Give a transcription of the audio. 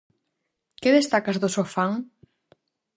Que destacas do Sofán?